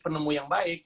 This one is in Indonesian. penemu yang baik